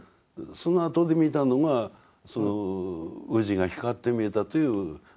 そのあとで見たのがそのウジが光って見えたという現場なんですよね。